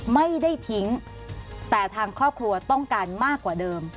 ไม่ได้ทิ้งแต่ทางครอบครัวต้องการมากกว่าเดิม